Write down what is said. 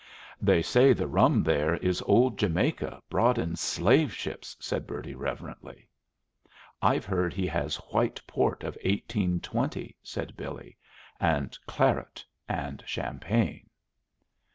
"They say the rum there is old Jamaica brought in slave ships," said Bertie, reverently. "I've heard he has white port of 1820," said Billy; "and claret and champagne."